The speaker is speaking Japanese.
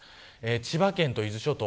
千葉県と伊豆諸島。